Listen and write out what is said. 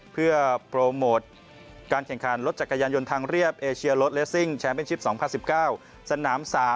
เพื่อโปรโมทการแข่งขันรถจักรยานยนต์ทางเรียบเอเชียรถเลสซิ่งแชมป์เป็นชิป๒๐๑๙สนาม๓